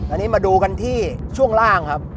อันนี้มาดูกันที่ช่วงล่างครับ